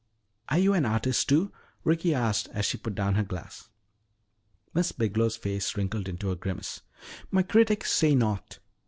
"Are you an artist, too?" Ricky asked as she put down her glass. Miss Biglow's face wrinkled into a grimace. "My critics say not.